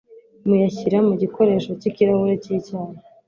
muyashyira mu gikoresho nk’ikirahure cy’icyayi